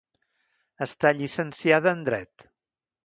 Està llicenciada en dret.